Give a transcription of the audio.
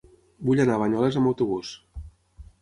Vull anar a Banyoles amb autobús.